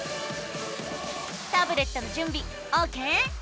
タブレットのじゅんびオーケー？